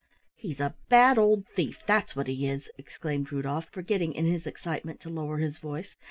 "He's a bad old thief, that's what he is!" exclaimed Rudolf, forgetting in his excitement to lower his voice.